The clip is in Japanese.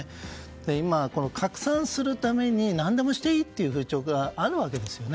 今、拡散するために何でもしていいという風潮があるわけですよね。